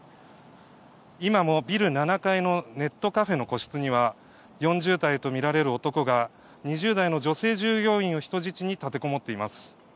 今もビル７階のネットカフェの個室には４０代とみられる男が２０代の女性従業員を人質に立てこもっています。